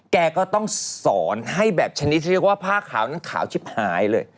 แกก็ต้องสอนให้แบบชนิดที่เรียกว่าผ้าขาวนั้นขาวชิบหายเลย